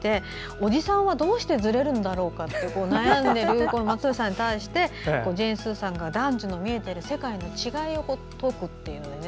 おじさんは、どうしてずれるんだろうかと悩んでいる松任谷さんに対してジェーン・スーさんが男女の見えている世界の違いを説くっていうね。